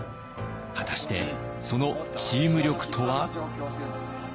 果たしてそのチーム力とは？